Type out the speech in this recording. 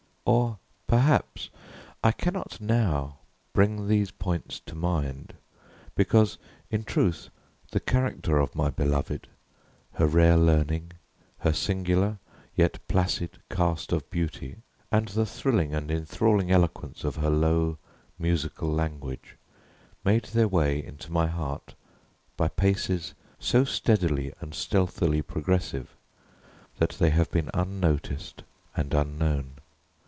Or, perhaps, I cannot now bring these points to mind, because, in truth, the character of my beloved, her rare learning, her singular yet placid cast of beauty, and the thrilling and enthralling eloquence of her low musical language, made their way into my heart by paces so steadily and stealthily progressive, that they have been unnoticed and unknown.